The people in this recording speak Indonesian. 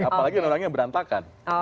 apalagi undang undangnya berantakan